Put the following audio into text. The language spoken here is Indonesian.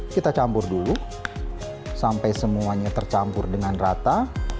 kita campur dulu sampai semuanya tercampur dengan rata